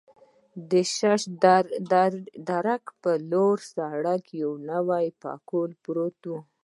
د شش درک پر لوی سړک یو نوی پکول پروت و.